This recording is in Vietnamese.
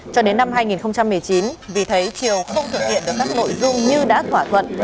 cho đến năm hai nghìn một mươi chín vì thấy triều không thực hiện được các nội dung như đã thỏa thuận